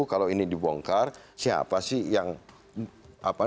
kalau ini dibongkar siapa sih yang apa